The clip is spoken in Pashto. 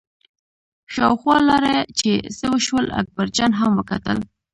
شاوخوا لاړه چې څه وشول، اکبرجان هم وکتل.